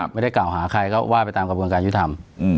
ไม่ได้กล่าวหาใครก็ว่าไปตามกระบวนการยุทธรรม